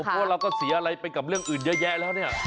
เพราะว่าเราก็เสียอะไรไปกับเรื่องอื่นเยอะแยะแล้วเนี่ย